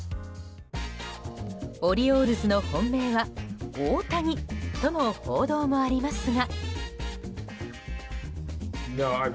オリオールズの本命は大谷との報道もありますが。